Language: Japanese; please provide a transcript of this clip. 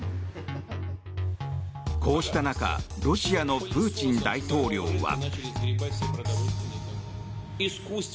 こうした中、ロシアのプーチン大統領は。